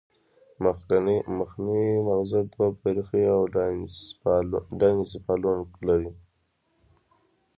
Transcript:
مخنی مغزه دوه برخې او ډاینسفالون لري